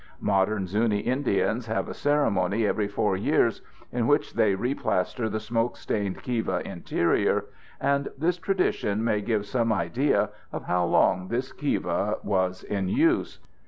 Modern Zuni Indians have a ceremony every 4 years in which they replaster the smoke stained kiva interior, and this tradition may give some idea of how long this kiva was in use.